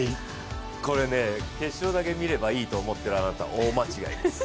決勝だけ見ればいいと思っているあなた、大間違いです。